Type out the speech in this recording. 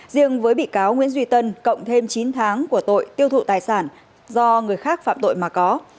riêng với bị cáo nguyễn duy tân cộng thêm chín tháng của tội tiêu thụ tài sản do người khác phạm tội mà có